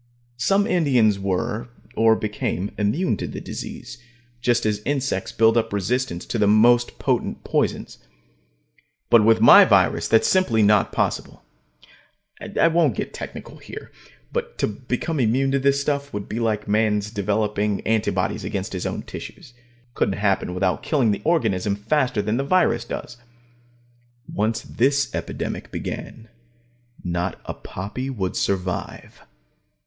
Some Indians were, or became, immune to the disease, just as insects build up resistance to the most potent poisons. But with my virus that's simply not possible. I won't get technical here, but to become immune to this stuff would be like a man's developing anti bodies against his own tissues. It couldn't happen without killing the organism faster than the virus does. Once this epidemic began, not a poppy would survive.